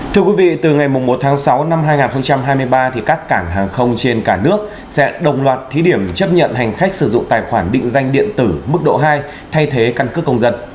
thưa quý vị từ ngày một tháng sáu năm hai nghìn hai mươi ba các cảng hàng không trên cả nước sẽ đồng loạt thí điểm chấp nhận hành khách sử dụng tài khoản định danh điện tử mức độ hai thay thế căn cước công dân